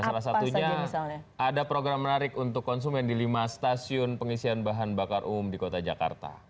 salah satunya ada program menarik untuk konsumen di lima stasiun pengisian bahan bakar umum di kota jakarta